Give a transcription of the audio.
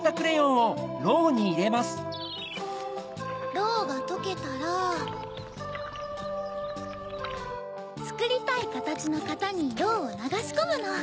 ろうがとけたらつくりたいかたちのかたにろうをながしこむの。